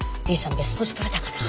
ベスポジ取れたかな？